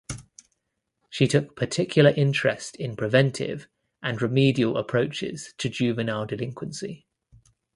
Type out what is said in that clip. She took particular interest in preventive and remedial approaches to juvenile delinquency.